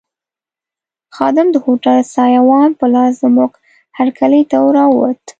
خادم د هوټل سایوان په لاس زموږ هرکلي ته راووت.